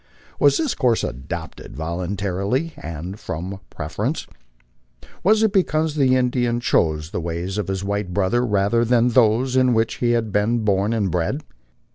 Was this course adopted voluntarily and from preference ? Was it because the Indian chose the ways of his white brother rather than those in which he had been born and bred?